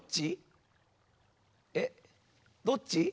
えどっち？